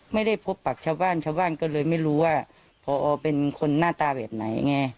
ไม่ได้พบปรากษ์ชาวบ้านก็เลยไม่รู้ว่ารอบริหารเป็นคนน่าตาแบบไหนไง